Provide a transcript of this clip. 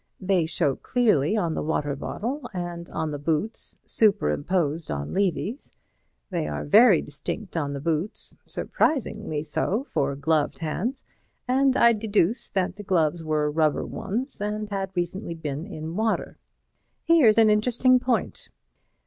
They show clearly on the water bottle and on the boots—superimposed on Levy's. They are very distinct on the boots—surprisingly so for gloved hands, and I deduce that the gloves were rubber ones and had recently been in water. "Here's another interestin' point.